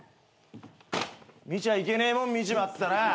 見ちゃいけねえもん見ちまったな。